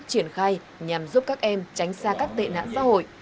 triển khai nhằm giúp các em tránh xa các tệ nạn xã hội